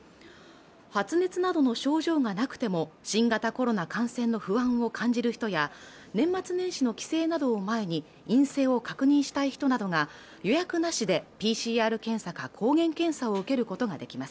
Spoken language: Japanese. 発熱などの症状がなくても新型コロナ感染の不安を感じる人や年末年始の帰省などを前に陰性を確認したい人などが予約なしでＰＣＲ検査か抗原検査を受けることができます